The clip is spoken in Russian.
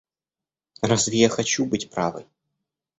Разве я хочу быть правой!